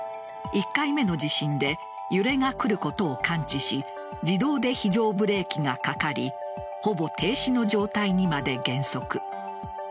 １回目の地震で揺れが来ることを感知し自動で非常ブレーキがかかりほぼ停止の状態にまで減速。